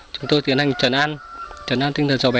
chúng tôi tiến hành trần an trần an tinh thần cháu bé